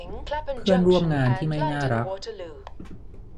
เพื่อนร่วมงานที่ไม่น่ารัก